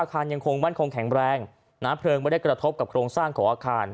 อาคารยังคงมั่นคงแข็งแรงนะเพลิงไม่ได้กระทบกับโครงสร้างของอาคาร